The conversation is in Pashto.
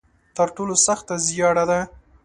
تر ټولو سخته زیاړه ده.